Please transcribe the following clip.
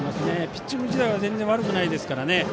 ピッチング自体は全然悪くないですからね。